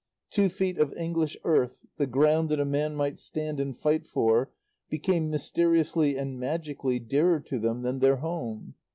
Two feet of English earth, the ground that a man might stand and fight for, became, mysteriously and magically, dearer to them than their home.